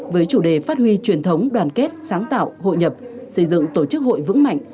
với chủ đề phát huy truyền thống đoàn kết sáng tạo hội nhập xây dựng tổ chức hội vững mạnh